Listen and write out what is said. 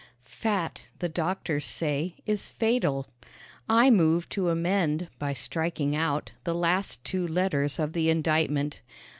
Fat, the doctors say, is fatal. I move to amend by striking out the last two letters of the indictment.